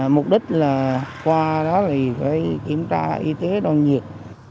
mục đích là qua đó thì phải kiểm tra y tế đo nhiệt